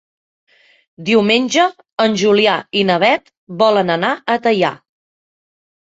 Diumenge en Julià i na Beth volen anar a Teià.